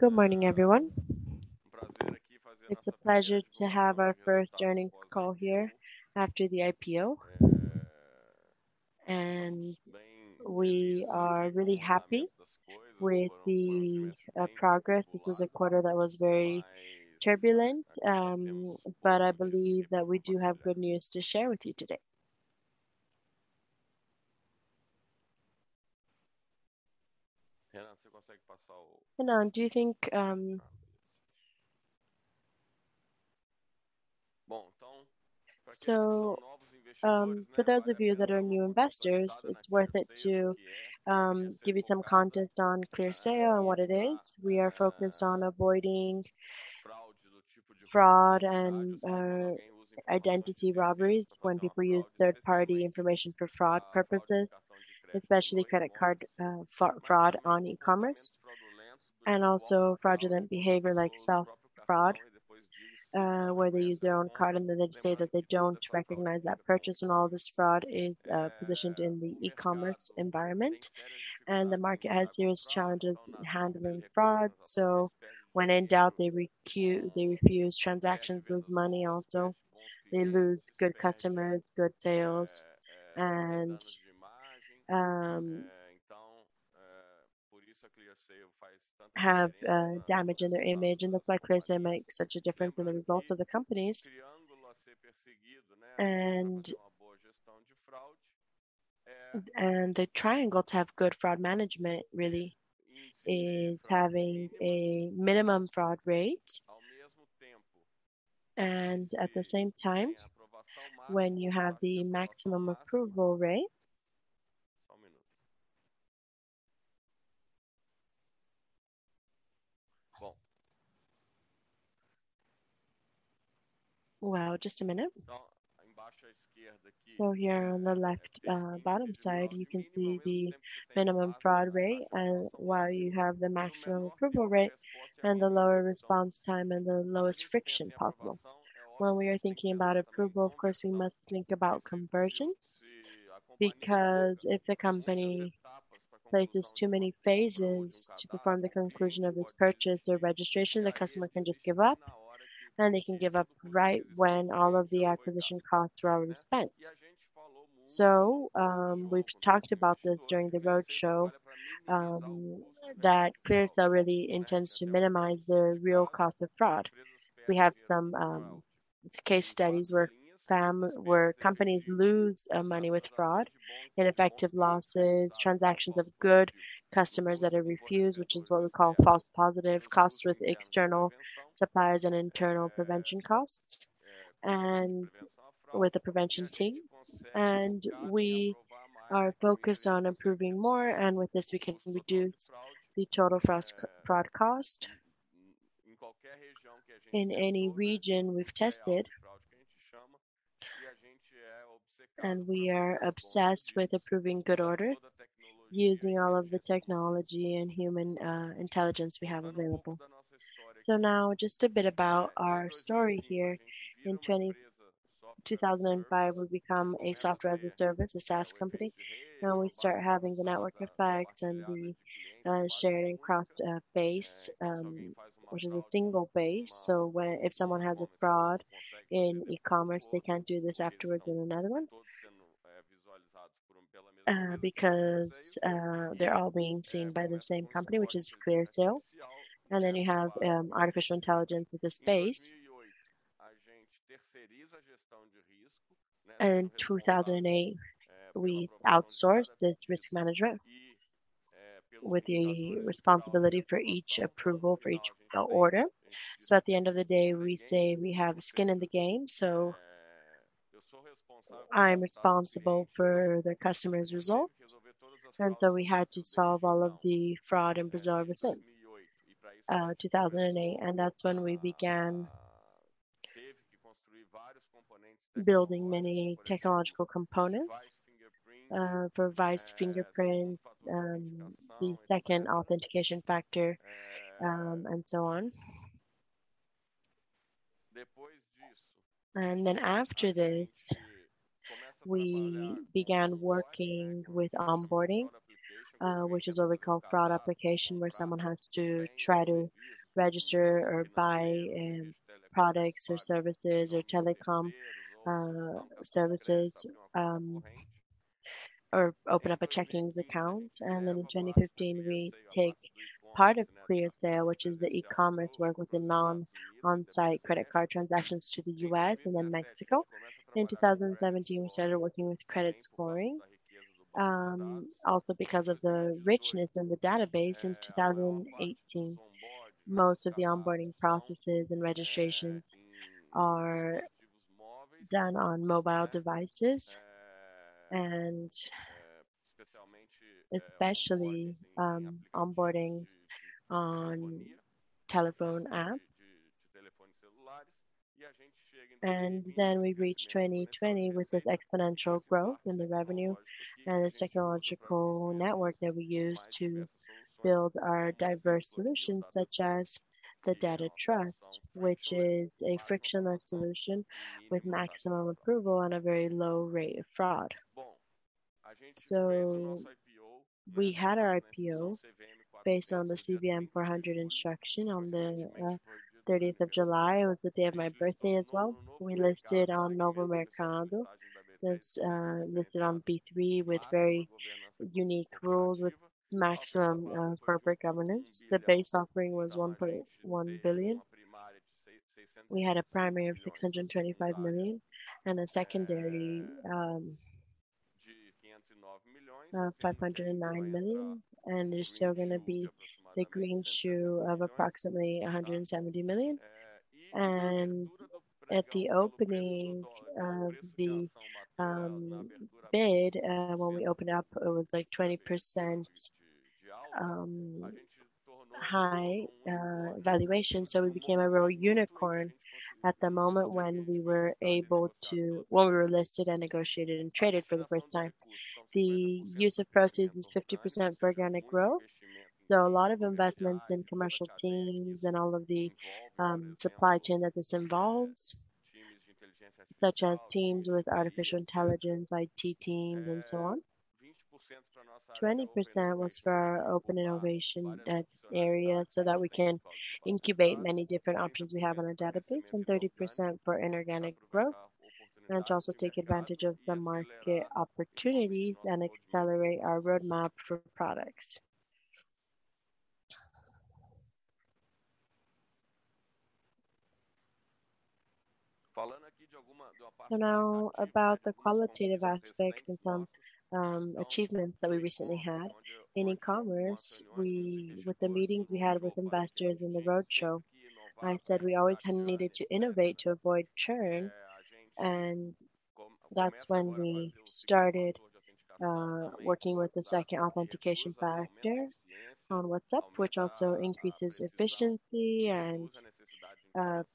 Good morning, everyone. It's a pleasure to have our first earnings call here after the IPO. We are really happy with the progress. This is a quarter that was very turbulent, but I believe that we do have good news to share with you today. Renan, for those of you that are new investors, it's worth it to give you some context on ClearSale and what it is. We are focused on avoiding fraud and identity robberies, when people use third-party information for fraud purposes, especially credit card fraud on e-commerce, and also fraudulent behavior like self-fraud, where they use their own card and then they say that they don't recognize that purchase. All this fraud is positioned in the e-commerce environment. The market has serious challenges in handling fraud. When in doubt, they refuse transactions with money also. They lose good customers, good sales, and have damage in their image. That's why ClearSale makes such a difference in the results of the companies. The triangle to have good fraud management really is having a minimum fraud rate. At the same time, when you have the maximum approval rate. Wow, just a minute. Here on the left bottom side, you can see the minimum fraud rate and while you have the maximum approval rate and the lower response time and the lowest friction possible. When we are thinking about approval, of course, we must think about conversion, because if the company places too many phases to perform the conclusion of its purchase or registration, the customer can just give up, and they can give up right when all of the acquisition costs are already spent. We've talked about this during the roadshow, that ClearSale really intends to minimize the real cost of fraud. We have some case studies where companies lose money with fraud, ineffective losses, transactions of good customers that are refused, which is what we call false positive costs with external suppliers and internal prevention costs, and with the prevention team. We are focused on improving more, and with this we can reduce the total fraud cost in any region we've tested. We are obsessed with approving good order using all of the technology and human intelligence we have available. Now just a bit about our story here. In 2005, we become a software as a service, a SaaS company. Now we start having the network effect and the shared database, which is a single base. If someone has a fraud in e-commerce, they can't do this afterwards in another one because they're all being seen by the same company, which is ClearSale. You have artificial intelligence in the space. In 2008, we outsourced this risk management with the responsibility for each approval for each order. At the end of the day, we say we have skin in the game, so I'm responsible for the customer's result. We had to solve all of the fraud in Brazil within 2008. That's when we began building many technological components for device fingerprints, the second authentication factor, and so on. After this, we began working with onboarding, which is what we call application fraud, where someone has to try to register or buy products or services or telecom services, or open up a checking account. In 2015, we take part of ClearSale, which is the e-commerce work with the non-on-site credit card transactions to the U.S. and then Mexico. In 2017, we started working with credit scoring. Also because of the richness in the database in 2018, most of the onboarding processes and registrations are done on mobile devices, and especially onboarding on telephone app. We reach 2020 with this exponential growth in the revenue and the technological network that we use to build our diverse solutions, such as the Data Trust, which is a frictionless solution with maximum approval and a very low rate of fraud. We had our IPO based on the CVM Instruction 400 on the 30th of July. It was the day of my birthday as well. We listed on Novo Mercado. It's listed on B3 with very unique rules with maximum corporate governance. The base offering was 1.1 billion. We had a primary of 625 million and a secondary of 509 million. There's still going to be the greenshoe of approximately 170 million. At the opening of the bid, when we opened up, it was like 20% high valuation. We became a real unicorn at the moment when we were listed and negotiated and traded for the first time. The use of proceeds is 50% for organic growth, so a lot of investments in commercial teams and all of the supply chain that this involves, such as teams with artificial intelligence, IT teams, and so on. 20% was for our open innovation area so that we can incubate many different options we have on our database, and 30% for inorganic growth and to also take advantage of the market opportunities and accelerate our roadmap for products. Now about the qualitative aspects and some achievements that we recently had. In e-commerce, with the meetings we had with investors in the roadshow, I said we always kind of needed to innovate to avoid churn, and that's when we started working with the second authentication factor on WhatsApp, which also increases efficiency and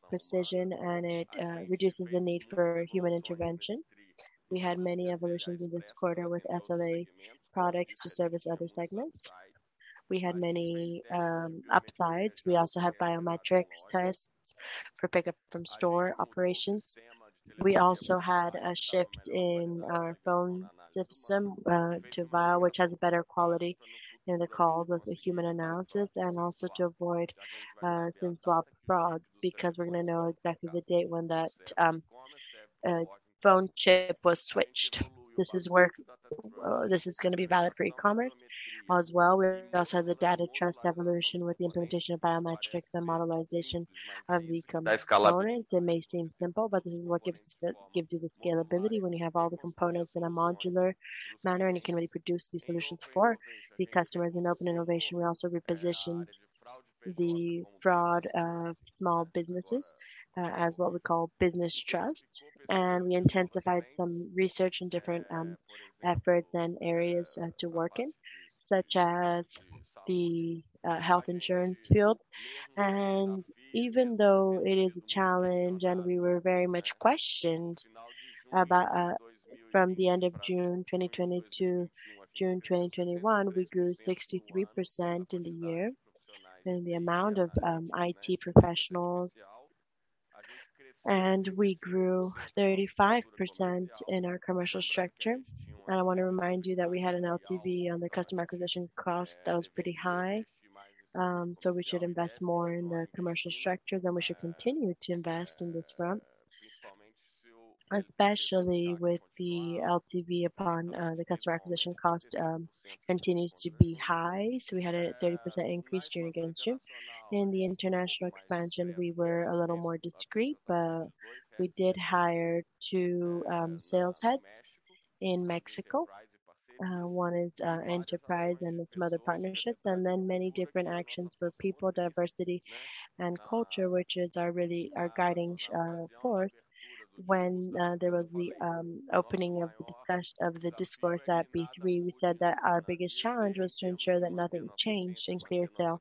precision, and it reduces the need for human intervention. We had many evolutions in this quarter with SLA products to service other segments. We had many upsides. We also had biometric tests for pickup from store operations. We also had a shift in our phone system to Via, which has better quality in the calls with the human analysis and also to avoid SIM swap fraud because we're going to know exactly the date when that phone chip was switched. This is going to be valid for e-commerce as well. We also have the Data Trust evolution with the implementation of biometrics and modularization of the components. It may seem simple, but this is what gives you the scalability when you have all the components in a modular manner, and you can really produce these solutions for the customers. In open innovation, we also repositioned the fraud of small businesses as what we call Business Trust, and we intensified some research in different efforts and areas to work in, such as the health insurance field. Even though it is a challenge and we were very much questioned about from the end of June 2020 to June 2021, we grew 63% in the year in the amount of IT professionals, and we grew 35% in our commercial structure. I want to remind you that we had an LTV on the customer acquisition cost that was pretty high. We should invest more in the commercial structure. We should continue to invest in this front, especially with the LTV upon the customer acquisition cost continuing to be high. We had a 30% increase year-over-year. In the international expansion, we were a little more discreet, but we did hire two sales heads in Mexico. 1 is enterprise and some other partnerships, and then many different actions for people, diversity, and culture, which is really our guiding force. When there was the opening of the discourse at B3, we said that our biggest challenge was to ensure that nothing changed in ClearSale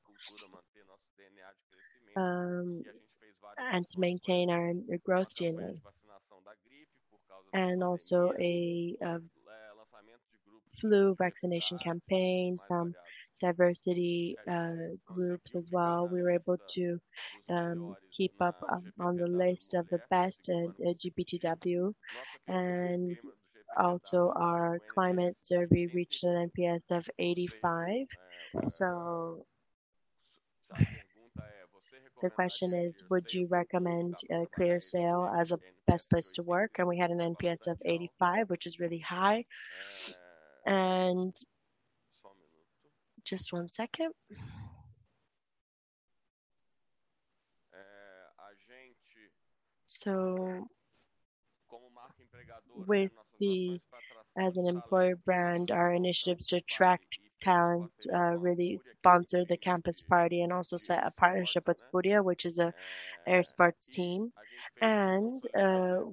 and to maintain our growth unit. Also a flu vaccination campaign, some diversity groups as well. We were able to keep up on the list of the best LGBT, also our climate survey reached an NPS of 85. The question is: would you recommend ClearSale as the best place to work? We had an NPS of 85, which is really high. Just one second. As an employer brand, our initiatives to attract talent really sponsored the Campus Party and also set a partnership with FURIA, which is an esports team.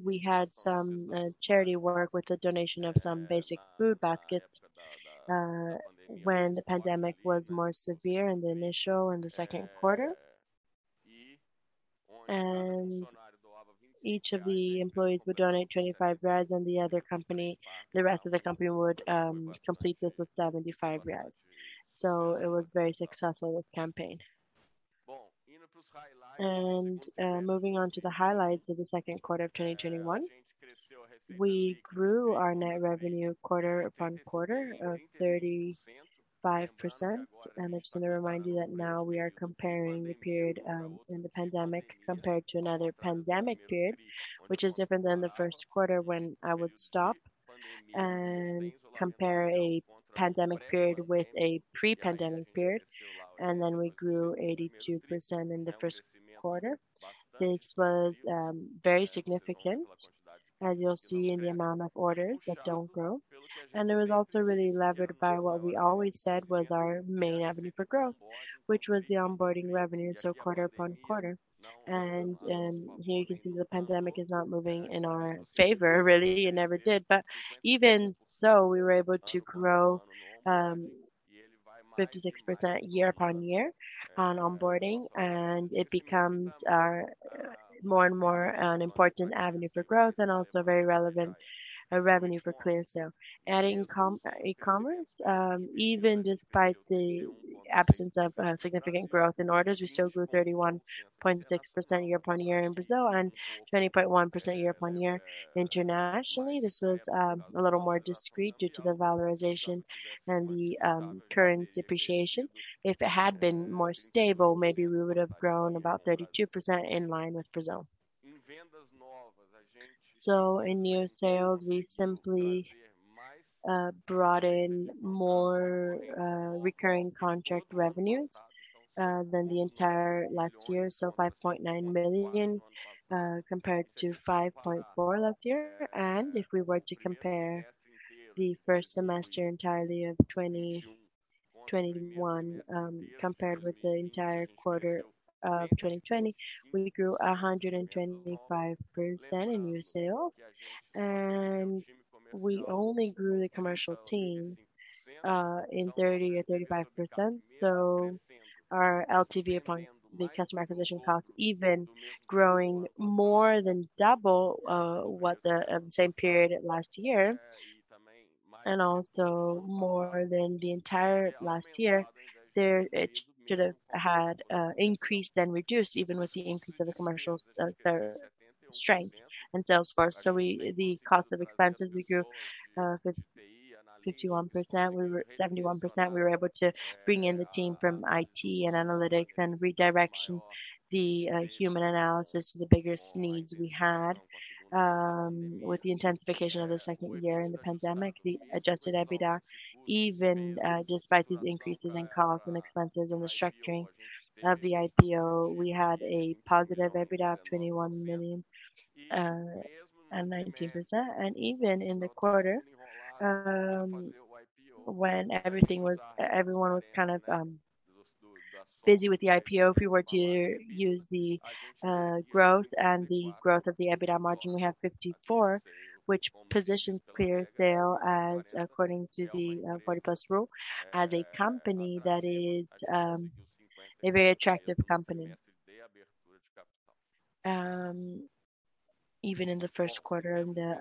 We had some charity work with the donation of some basic food baskets when the pandemic was more severe in the initial and the second quarter. Each of the employees would donate 25, and the rest of the company would complete this with 75. It was a very successful campaign. Moving on to the highlights of the second quarter of 2021. We grew our net revenue quarter upon quarter of 35%. Just to remind you that now we are comparing the period in the pandemic compared to another pandemic period, which is different than the first quarter when I would stop and compare a pandemic period with a pre-pandemic period. We grew 82% in the first quarter. This was very significant, as you'll see in the amount of orders that don't grow. It was also really levered by what we always said was our main avenue for growth, which was the onboarding revenue, so quarter upon quarter. Here you can see the pandemic is not moving in our favor really, it never did. Even so, we were able to grow 56% year upon year on onboarding, and it becomes more and more an important avenue for growth and also very relevant revenue for ClearSale. In e-commerce, even despite the absence of significant growth in orders, we still grew 31.6% year-over-year in Brazil and 20.1% year-over-year internationally. This was a little more discreet due to the valorization and the current depreciation. If it had been more stable, maybe we would've grown about 32% in line with Brazil. In new sales, we simply brought in more recurring contract revenues than the entire last year. 5.9 million compared to 5.4 last year. If we were to compare the first semester entirely of 2021, compared with the entire quarter of 2020, we grew 125% in new sales, and we only grew the commercial team in 30% or 35%. Our LTV upon the customer acquisition cost even growing more than double what the same period last year, and also more than the entire last year, it should have had increased and reduced even with the increase of the commercial strength and sales force. The cost of expenses, we grew 71%. We were able to bring in the team from IT and analytics and redirection the human analysis to the biggest needs we had with the intensification of the second year in the pandemic. The Adjusted EBITDA, even despite these increases in costs and expenses and the structuring of the IPO, we had a positive EBITDA of 21 million and 19%. Even in the quarter, when everyone was kind of busy with the IPO, if we were to use the growth and the growth of the EBITDA margin, we have 54, which positions ClearSale as according to the 40+ rule, as a company that is a very attractive company. Even in the first quarter in the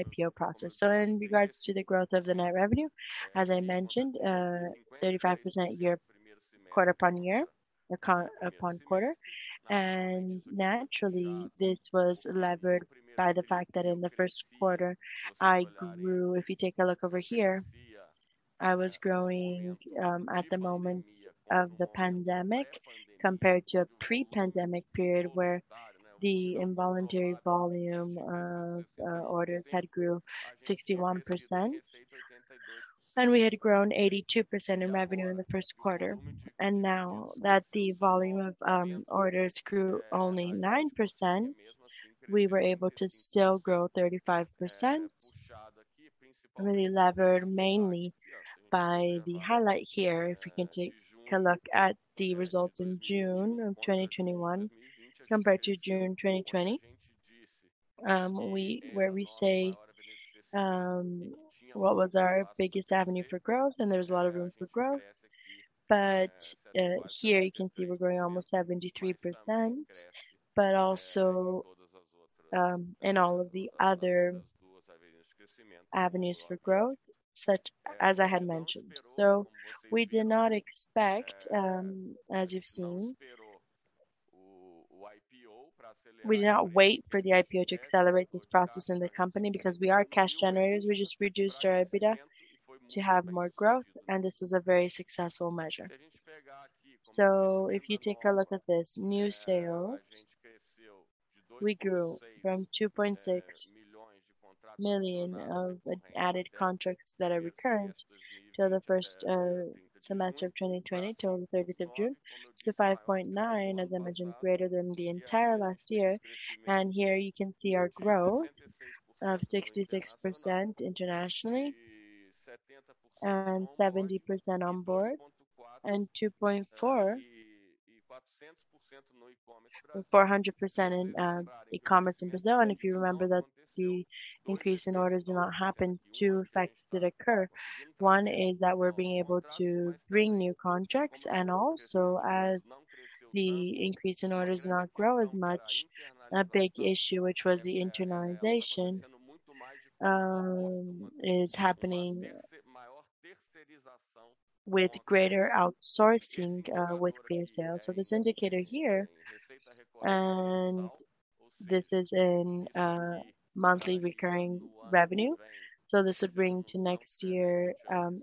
IPO process. In regards to the growth of the net revenue, as I mentioned, 35% quarter-upon-quarter. Naturally, this was levered by the fact that in the first quarter, If you take a look over here, I was growing, at the moment of the pandemic compared to pre-pandemic period, where the involuntary volume of orders had grew 61%, and we had grown 82% in revenue in the first quarter. Now that the volume of orders grew only 9%, we were able to still grow 35%, really levered mainly by the highlight here. If we can take a look at the results in June of 2021 compared to June 2020, where we say what was our biggest avenue for growth, there's a lot of room for growth. Here you can see we're growing almost 73%, but also in all of the other avenues for growth such as I had mentioned. We did not expect, we did not wait for the IPO to accelerate this process in the company because we are cash generators. We just reduced our EBITDA to have more growth, this was a very successful measure. If you take a look at this new sales, we grew from 2.6 million of added contracts that are recurring till the first semester of 2020, till the 30th of June to 5.9 million, as I mentioned, greater than the entire last year. Here you can see our growth of 66% internationally and 70% onboard and 400% in e-commerce in Brazil. If you remember that the increase in orders did not happen, two effects did occur. One is that we're being able to bring new contracts, and also as the increase in orders not grow as much, a big issue, which was the internalization, is happening with greater outsourcing with ClearSale. This indicator here is in monthly recurring revenue. This would bring to next year,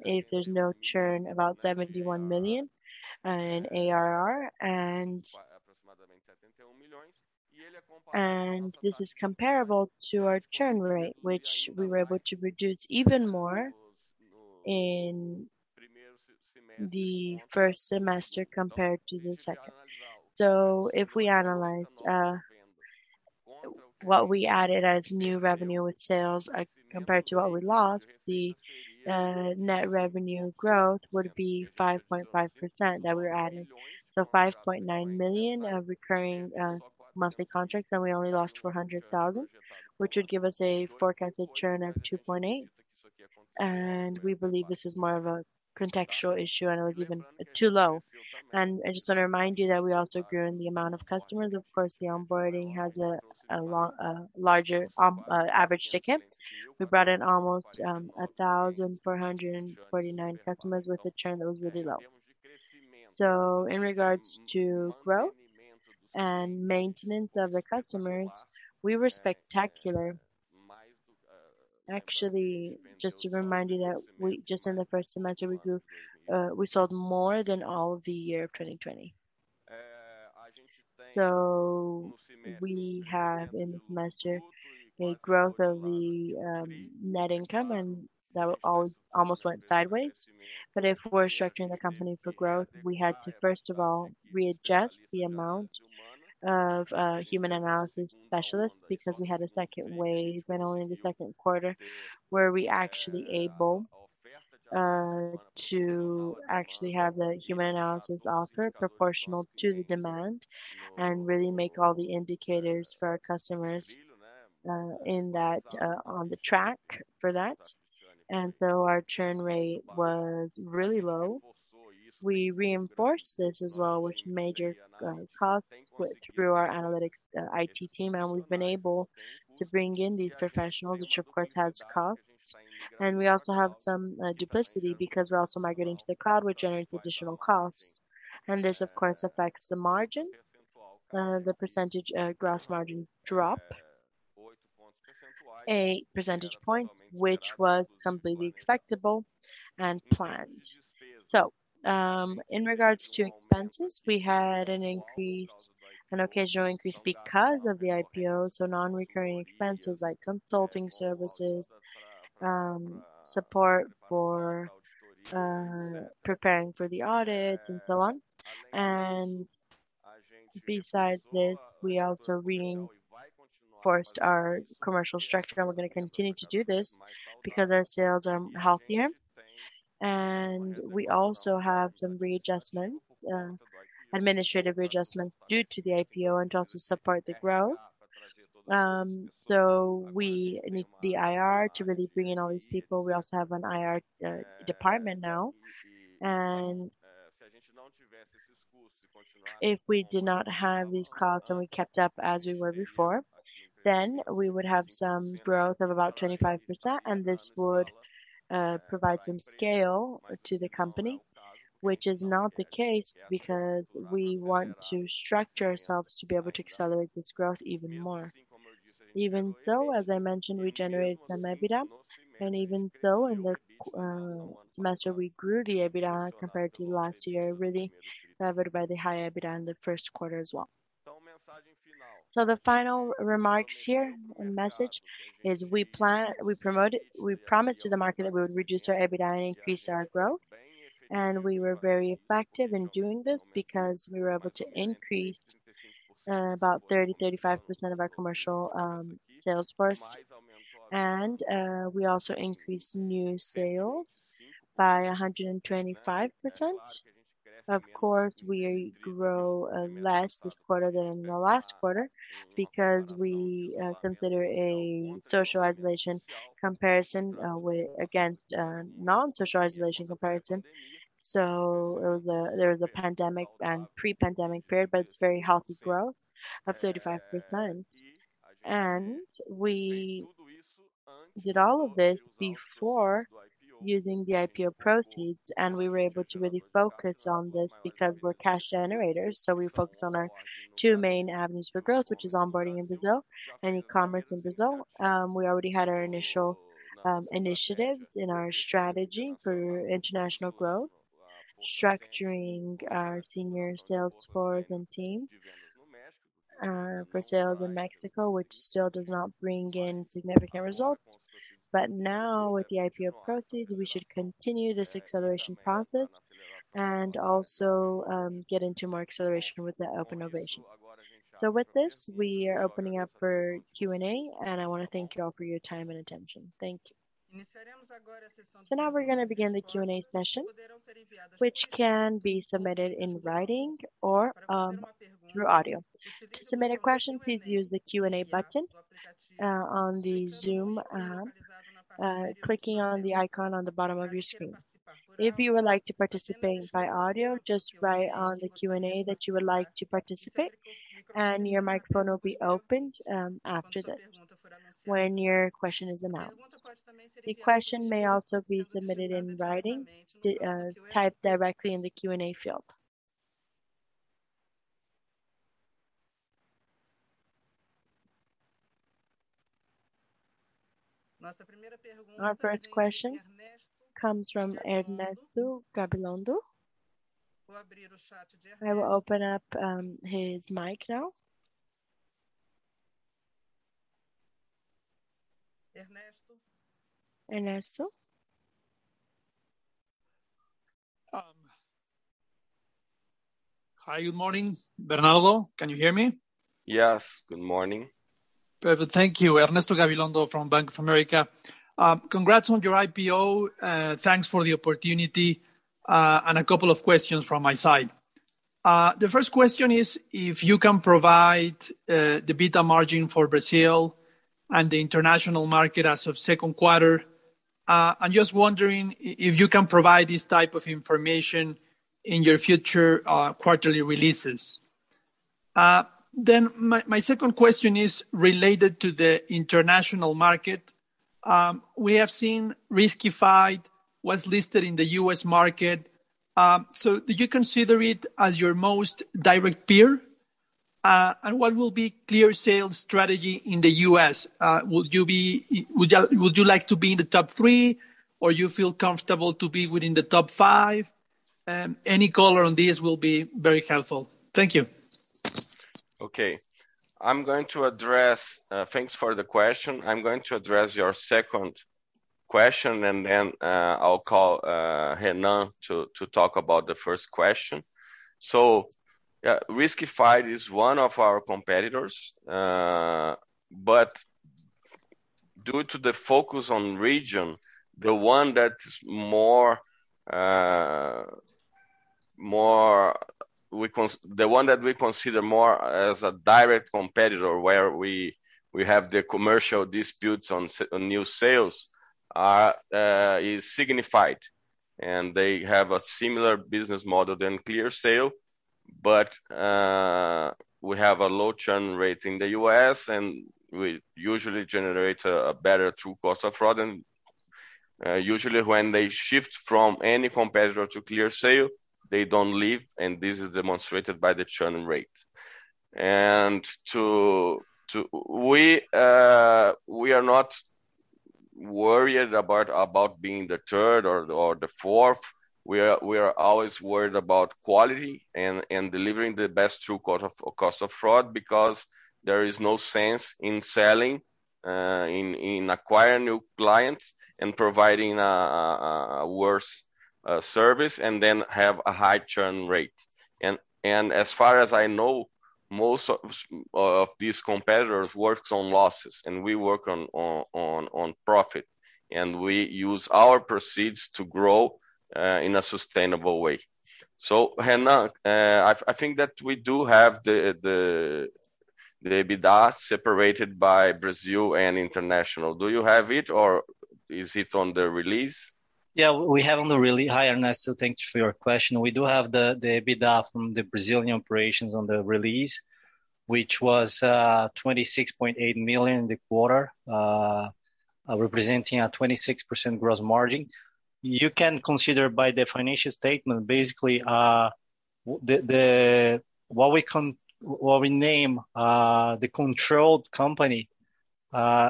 if there's no churn, about 71 million in ARR. This is comparable to our churn rate, which we were able to reduce even more in the first semester compared to the second. If we analyze what we added as new revenue with sales compared to what we lost, the net revenue growth would be 5.5% that we're adding. 5.9 million of recurring monthly contracts, and we only lost 400,000, which would give us a forecasted churn of 2.8%. We believe this is more of a contextual issue, and it was even too low. I just want to remind you that we also grew in the amount of customers. Of course, the onboarding has a larger average ticket. We brought in almost 1,449 customers with a churn that was really low. In regards to growth and maintenance of the customers, we were spectacular. Actually, just to remind you that just in the 1st semester, we sold more than all of the year 2020. We have in this semester a growth of the net income, and that almost went sideways. If we're structuring the company for growth, we had to, first of all, readjust the amount of human analysis specialists because we had a second wave, and only in the second quarter were we actually able to actually have the human analysis offer proportional to the demand and really make all the indicators for our customers on the track for that. Our churn rate was really low. We reinforced this as well with major costs through our analytics IT team, and we've been able to bring in these professionals, which of course has costs. We also have some duplicity because we're also migrating to the cloud, which generates additional costs. This, of course, affects the margin, the percentage gross margin drop 8 percentage points, which was completely expectable and planned. In regards to expenses, we had an occasional increase because of the IPO, non-recurring expenses like consulting services, support for preparing for the audit, and so on. Besides this, we also reinforced our commercial structure, and we're going to continue to do this because our sales are healthier. We also have some administrative readjustment due to the IPO and to also support the growth. We need the IR to really bring in all these people. We also have an IR department now. If we did not have these costs and we kept up as we were before, we would have some growth of about 25%, and this would provide some scale to the company, which is not the case because we want to structure ourselves to be able to accelerate this growth even more. Even so, as I mentioned, we generated some EBITDA, and even so, in the quarter, we grew the EBITDA compared to last year, really favored by the high EBITDA in the first quarter as well. The final remarks here and message is we promised to the market that we would reduce our EBITDA and increase our growth. We were very effective in doing this because we were able to increase about 30%, 35% of our commercial sales force. We also increased new sales by 125%. Of course, we grew less this quarter than the last quarter because we consider a social isolation comparison against non-social isolation comparison. There's a pandemic and pre-pandemic period, but it's very healthy growth of 35%. We did all of this before using the IPO proceeds, and we were able to really focus on this because we're cash generators. We focused on our two main avenues for growth, which is onboarding in Brazil and e-commerce in Brazil. We already had our initial initiatives in our strategy for international growth, structuring our senior sales force and team for sales in Mexico, which still does not bring in significant results. Now with the IPO proceeds, we should continue this acceleration process and also get into more acceleration with the open innovation. With this, we are opening up for Q&A, and I want to thank you all for your time and attention. Thank you. Now we're going to begin the Q&A session, which can be submitted in writing or through audio. To submit a question, please use the Q&A button on the Zoom app, clicking on the icon on the bottom of your screen. If you would like to participate by audio, just write on the Q&A that you would like to participate, and your microphone will be opened after that, when your question is announced. The question may also be submitted in writing, typed directly in the Q&A field. Our first question comes from Ernesto Gabilondo. I will open up his mic now. Ernesto? Hi, good morning. Bernardo, can you hear me? Yes. Good morning. Perfect. Thank you. Ernesto Gabilondo from Bank of America. Congrats on your IPO. Thanks for the opportunity. A couple of questions from my side. The first question is if you can provide the EBITDA margin for Brazil and the international market as of second quarter. I'm just wondering if you can provide this type of information in your future quarterly releases. My second question is related to the international market. We have seen Riskified was listed in the U.S. market. Do you consider it as your most direct peer? What will be ClearSale's strategy in the U.S.? Would you like to be in the top three, or you feel comfortable to be within the top five? Any color on this will be very helpful. Thank you. Okay. Thanks for the question. I am going to address your second question, and then I will call Renan to talk about the first question. Riskified is one of our competitors. Due to the focus on region, the one that we consider more as a direct competitor, where we have the commercial disputes on new sales, is Signifyd. They have a similar business model than ClearSale. We have a low churn rate in the U.S., and we usually generate a better true cost of fraud. Usually when they shift from any competitor to ClearSale, they don't leave, and this is demonstrated by the churn rate. We are not worried about being the third or the fourth. We are always worried about quality and delivering the best true cost of fraud because there is no sense in selling, in acquiring new clients and providing a worse service and then have a high churn rate. As far as I know, most of these competitors works on losses, and we work on profit, and we use our proceeds to grow in a sustainable way. Renan, I think that we do have the EBITDA separated by Brazil and international. Do you have it or is it on the release? Yeah, we have on the release. Hi, Ernesto. Thanks for your question. We do have the EBITDA from the Brazilian operations on the release, which was 26.8 million in the quarter, representing a 26% gross margin. You can consider by the financial statement, basically, what we name the controlled company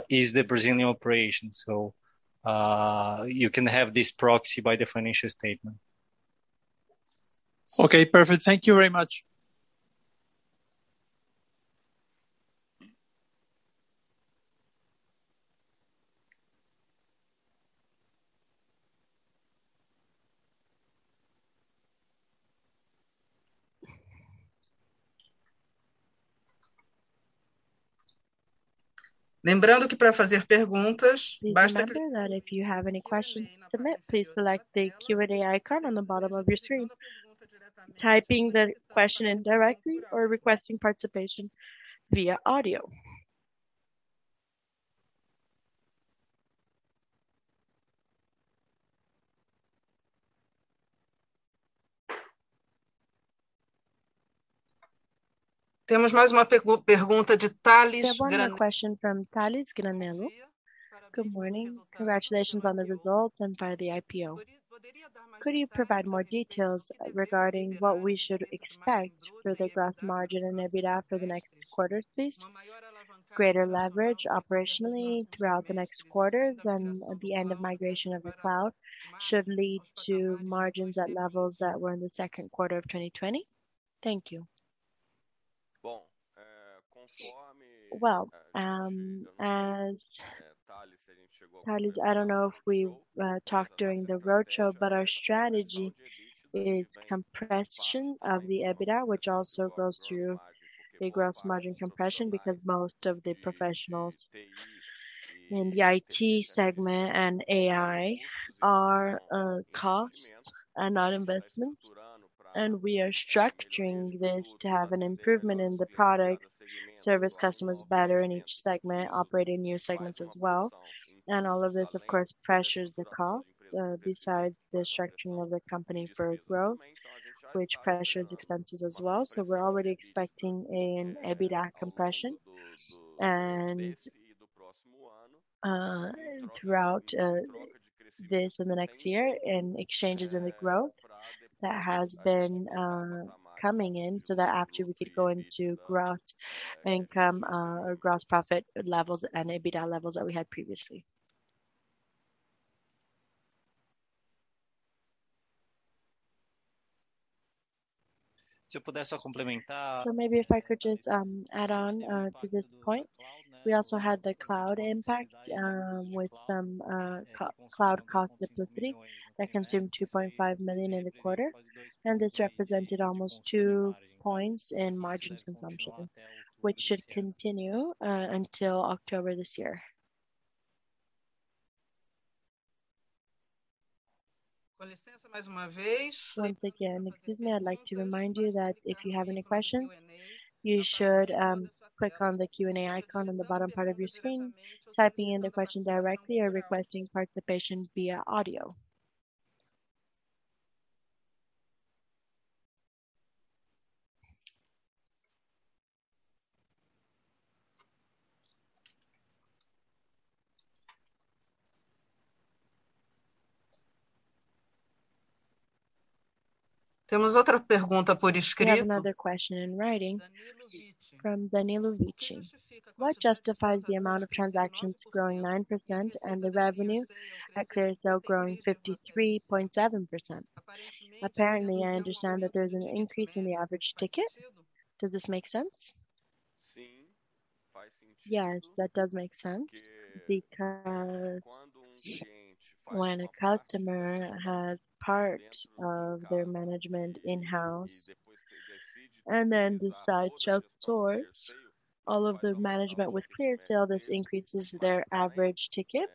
is the Brazilian operation. You can have this proxy by the financial statement. Okay, perfect. Thank you very much. Please remember that if you have any questions to submit, please select the Q&A icon on the bottom of your screen, typing the question in directly or requesting participation via audio. We have a question from Thales Granello. Good morning. Congratulations on the results and for the IPO. Could you provide more details regarding what we should expect for the gross margin and EBITDA for the next quarter, please? Greater leverage operationally throughout the next quarters and at the end of migration of the cloud should lead to margins at levels that were in the second quarter of 2020. Thank you. Well, Thales, I don't know if we talked during the roadshow, but our strategy is compression of the EBITDA, which also goes through the gross margin compression because most of the professionals in the IT segment and AI are costs and not investments. We are structuring this to have an improvement in the product, service customers better in each segment, operating new segments as well. All of this, of course, pressures the cost, besides the structuring of the company for growth, which pressures expenses as well. We're already expecting an EBITDA compression throughout this and the next year, and exchanges in the growth that has been coming in so that after we could go into gross income or gross profit levels and EBITDA levels that we had previously. Maybe if I could just add on to this point. We also had the cloud impact with some cloud cost subsidy that consumed 2.5 million in the quarter, and this represented almost two points in margin consumption, which should continue until October this year. Once again, excuse me. I'd like to remind you that if you have any questions, you should click on the Q&A icon on the bottom part of your screen, typing in the question directly or requesting participation via audio. We have another question in writing from Danilo Vichi. "What justifies the amount of transactions growing 9% and the revenue at ClearSale growing 53.7%? Apparently, I understand that there's an increase in the average ticket. Does this make sense?" Yes, that does make sense because when a customer has part of their management in-house and then decides to outsource all of the management with ClearSale, this increases their average ticket.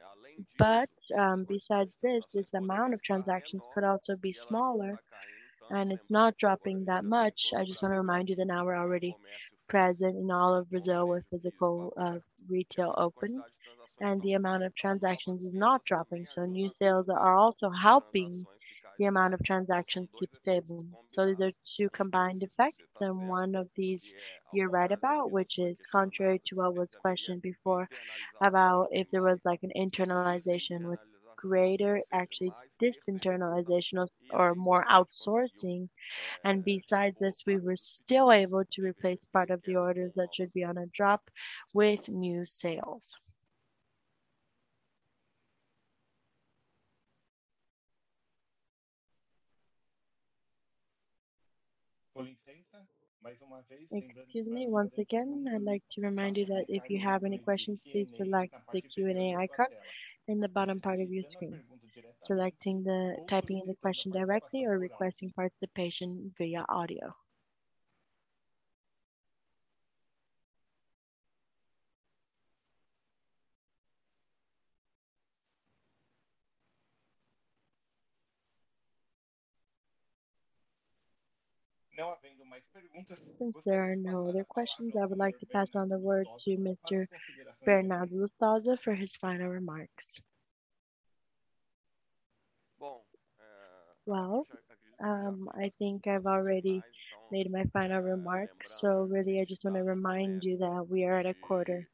Besides this amount of transactions could also be smaller, and it's not dropping that much. I just want to remind you that now we're already present in all of Brazil where physical retail open and the amount of transactions is not dropping, so new sales are also helping the amount of transactions keep stable. These are two combined effects, and one of these you're right about, which is contrary to what was questioned before about if there was an internalization with Actually, dis-internalization or more outsourcing. Besides this, we were still able to replace part of the orders that should be on a drop with new sales. Excuse me once again. I'd like to remind you that if you have any questions, please select the Q&A icon in the bottom part of your screen, typing the question directly or requesting participation via audio. Since there are no other questions, I would like to pass on the word to Mr. Bernardo Lustosa for his final remarks. Well, I think I've already made my final remarks. Really, I just want to remind you that we are at a quarter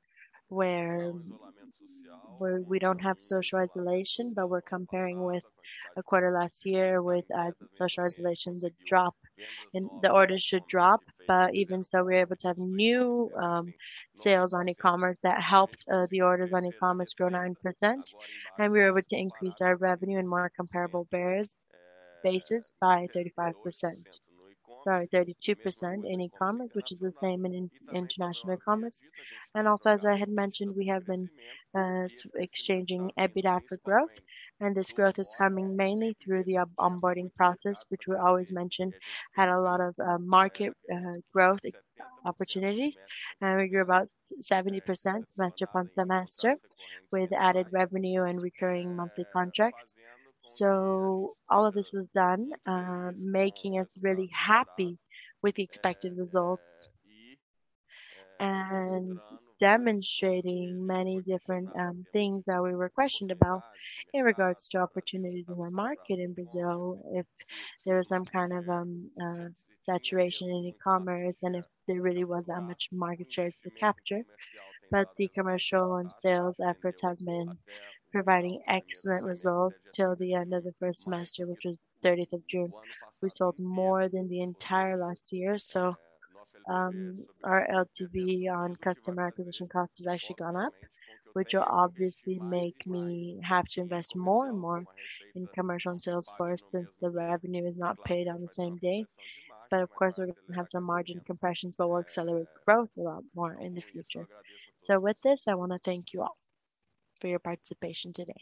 where we don't have social isolation, but we're comparing with a quarter last year with social isolation. The orders should drop, but even so, we're able to have new sales on e-commerce that helped the orders on e-commerce grow 9%, and we were able to increase our revenue in more comparable basis by 35%. Sorry, 32% in e-commerce, which is the same in international commerce. Also, as I had mentioned, we have been exchanging EBITDA for growth, and this growth is coming mainly through the onboarding process, which we always mentioned had a lot of market growth opportunity. We grew about 70% semester upon semester with added revenue and recurring monthly contracts. All of this was done, making us really happy with the expected results and demonstrating many different things that we were questioned about in regards to opportunities in our market in Brazil, if there is some kind of saturation in e-commerce and if there really was that much market share to capture. The commercial and sales efforts have been providing excellent results till the end of the first semester, which was 30th of June. We sold more than the entire last year, so our LTV on customer acquisition cost has actually gone up, which will obviously make me have to invest more and more in commercial and sales force since the revenue is not paid on the same day. Of course, we're going to have some margin compressions, but we'll accelerate growth a lot more in the future. With this, I want to thank you all for your participation today.